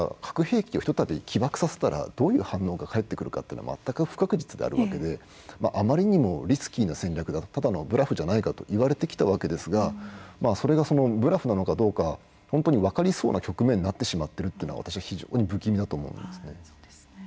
核兵器をひとたび起爆させたらどういう反応が返ってくるかっていうのは全く不確実であるわけであまりにもリスキーな戦略だとただのブラフじゃないかといわれてきたわけですがまあそれがブラフなのかどうか本当に分かりそうな局面になってしまってるっていうのは私は非常に不気味だと思うんですね。